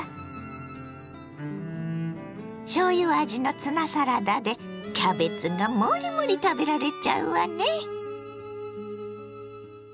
しょうゆ味のツナサラダでキャベツがモリモリ食べられちゃうわね。